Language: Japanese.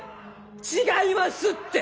違いますって！